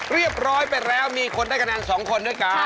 เรียบร้อยไปแล้วมีคนได้คะแนน๒คนด้วยกัน